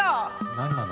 何なの？